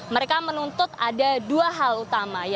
mereka menuntut ada dua hal utama